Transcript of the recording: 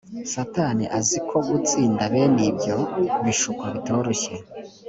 satani azi ko gutsinda bene ibyo bishuko bitoroshye